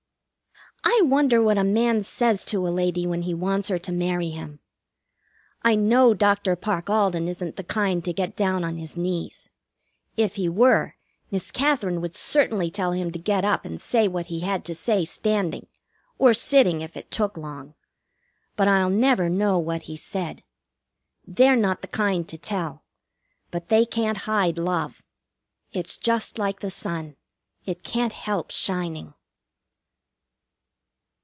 I wonder what a man says to a lady when he wants her to marry him? I know Dr. Parke Alden isn't the kind to get down on his knees. If he were, Miss Katherine would certainly tell him to get up and say what he had to say standing, or sitting, if it took long. But I'll never know what he said. They're not the kind to tell; but they can't hide Love. It's just like the sun. It can't help shining.